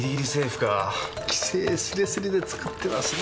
規制すれすれで作ってますな。